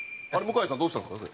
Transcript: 向さんどうしたんですか？